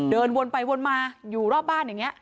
เดินวนไปวนมาอยู่รอบบ้านอย่างนี้